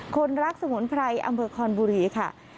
คนรักสมุนไพรอำเภอคอนบุรีค่ะ